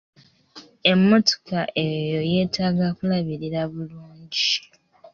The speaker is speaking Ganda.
Emmotoka eyo yeetaaga kulabirira bulungi.